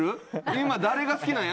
今誰が好きなんや？